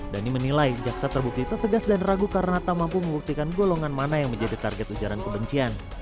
dhani menilai jaksa terbukti tetegas dan ragu karena tak mampu membuktikan golongan mana yang menjadi target ujaran kebencian